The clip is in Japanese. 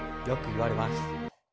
よく言われます。